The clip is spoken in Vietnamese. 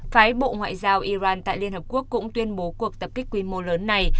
phái bộ ngoại giao iran tại liên hợp quốc cũng tuyên bố cuộc tập kích quy mô lớn này